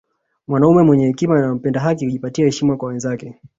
Mwanaume mwenye hekima na mpenda haki hujipatia heshima kwa wenzake